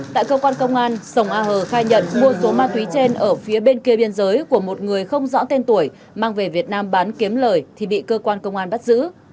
tại cơ quan công an sồng a hờ khai nhận mua số ma túy trên ở phía bên kia biên giới của một người không rõ tên tuổi mang về việt nam bán kiếm lời thì bị cơ quan công an bắt giữ